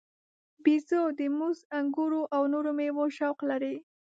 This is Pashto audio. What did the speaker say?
بیزو د موز، انګورو او نورو میوو شوق لري.